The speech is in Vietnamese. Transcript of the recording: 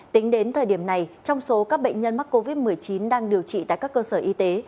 tính đến thời điểm này trong số các bệnh nhân mắc covid một mươi chín đang điều trị tại các cơ sở y tế